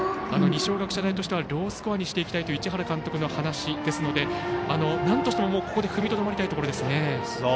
二松学舎大としてはロースコアにしていきたいという市原監督の話ですのでなんとしてもここで踏みとどまりたいところです。